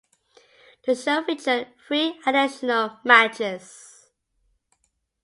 The show featured three additional matches.